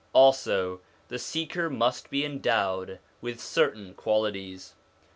Also, the seeker must be endowed with certain qualities.